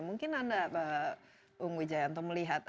mungkin anda pak ungu jayanto melihat